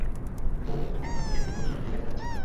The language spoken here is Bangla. ও, এখনও পরিশোধিত মুত্রেই আটকে আছেন।